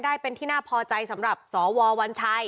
ได้เป็นที่น่าพอใจสำหรับสววัญชัย